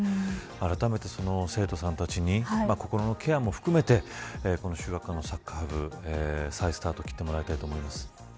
あらためて生徒さんたちに心のケアも含めて秀岳館のサッカー部再スタートを切ってもらいたいと思います。